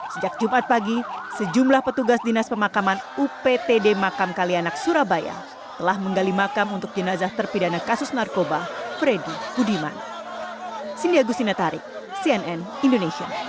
sejak jumat pagi sejumlah petugas dinas pemakaman uptd makam kalianak surabaya telah menggali makam untuk jenazah terpidana kasus narkoba freddy budiman